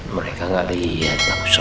mereka gak liat langsung